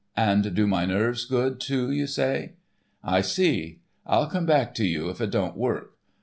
And do my nerves good, too, you say? I see. I'll come back to you if it don't work.